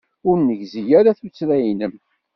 Ur negzi ara tuttra-nnem.